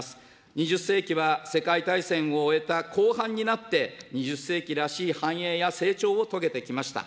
２０世紀は世界大戦を終えた後半になって、２０世紀らしい繁栄や成長を遂げてきました。